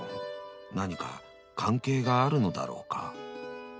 何か関係があるのだろうか？］